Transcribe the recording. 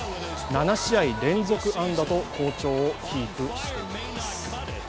７試合連続安打と好調をキープしています。